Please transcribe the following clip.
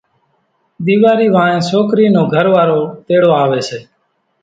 ۮيوارِي وانھين سوڪرِي نو گھروارو تيڙوا آوي سي